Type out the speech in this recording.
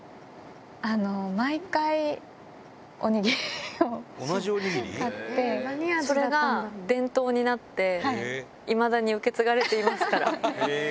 毎回、それが伝統になって、いまだに受け継がれていますから。